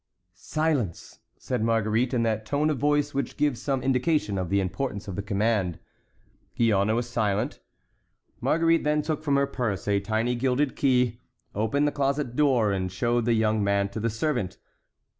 "Silence!" said Marguerite in that tone of voice which gives some indication of the importance of the command. Gillonne was silent. Marguerite then took from her purse a tiny gilded key, opened the closet door, and showed the young man to the servant.